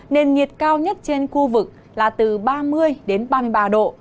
nền nhiệt cao nhất trên khu vực là từ ba mươi đến ba mươi ba độ